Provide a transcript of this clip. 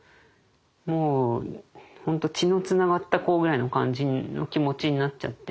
もう本当血のつながった子ぐらいの感じの気持ちになっちゃって。